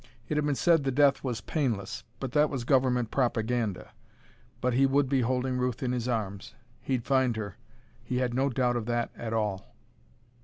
It had been said the death was painless, but that was Government propaganda. But he would be holding Ruth in his arms. He'd find her: he had no doubt of that at all.